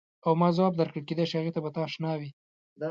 او ما ځواب درکړ کېدای شي هغې ته به ته اشنا وې.